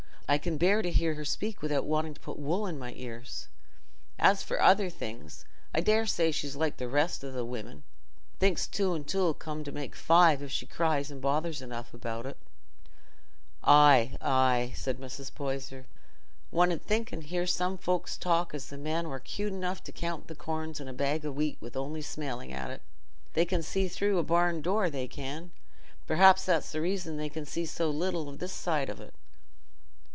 "I can bear to hear her speak without wanting to put wool in my ears. As for other things, I daresay she's like the rest o' the women—thinks two and two 'll come to make five, if she cries and bothers enough about it." "Aye, aye!" said Mrs. Poyser; "one 'ud think, an' hear some folks talk, as the men war 'cute enough to count the corns in a bag o' wheat wi' only smelling at it. They can see through a barn door, they can. Perhaps that's the reason they can see so little o' this side on't."